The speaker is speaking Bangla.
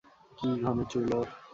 কি ঘন চুল ওর।